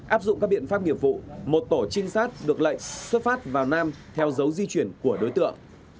áp dụng các biện pháp nghiệp vụ một tổ trinh sát được lệnh xuất phát vào nam theo dấu di chuyển của đối tượng